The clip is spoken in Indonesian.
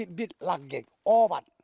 ini adalah obat